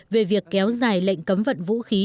về việc kéo dài lệnh cấm vận vũ khí